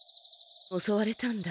おそわれたんだ。